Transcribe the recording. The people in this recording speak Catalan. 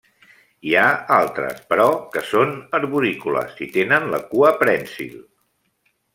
Hi ha altres però que són arborícoles i tenen la cua prènsil.